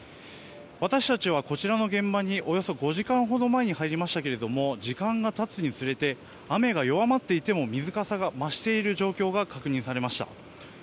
私たちはこちらの現場におよそ５時間ほど前に入りましたが時間が経つにつれて雨が弱まっていても水かさが増している状況が確認されました。